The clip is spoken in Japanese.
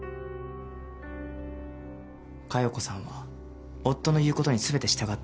佳代子さんは夫の言う事に全て従ってきた。